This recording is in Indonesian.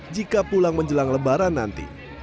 jika pulang menjelang lebaran nanti